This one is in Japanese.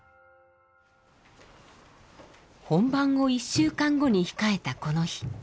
本番を１週間後に控えたこの日。